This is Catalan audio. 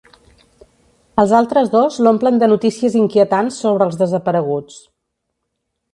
Els altres dos l'omplen de notícies inquietants sobre els desapareguts.